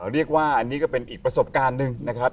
เรียกว่าอันนี้ก็เป็นอีกประสบการณ์หนึ่งนะครับ